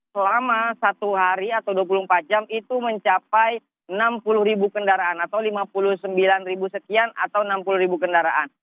selama satu hari atau dua puluh empat jam itu mencapai enam puluh ribu kendaraan atau lima puluh sembilan ribu sekian atau enam puluh ribu kendaraan